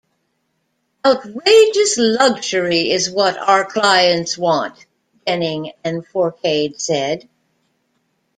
"Outrageous luxury is what our clients want," Denning and Fourcade said.